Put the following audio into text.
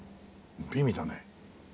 美味だね。